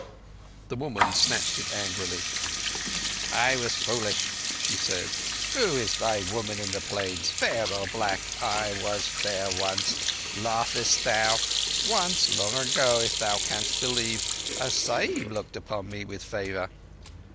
The woman snatched it angrily. "I was foolish," said she. "Who is thy woman in the Plains? Fair or black? I was fair once. Laughest thou? Once, long ago, if thou canst believe, a Sahib looked on me with favour.